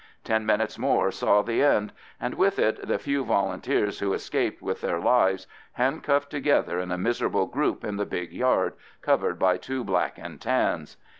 Ten minutes more saw the end, and with it the few Volunteers who escaped with their lives, handcuffed together in a miserable group in the big yard, covered by two Black and Tans.